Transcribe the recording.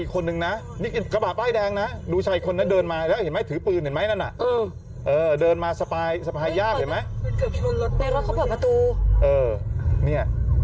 ขึ้นมาข้างบนรถเลยนะนี่เห็นไหมนี่